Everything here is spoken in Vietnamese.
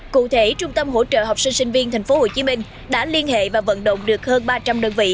cụ thể trung tâm hỗ trợ học sinh sinh viên tp hcm đã liên hệ và vận động được hơn ba trăm linh đơn vị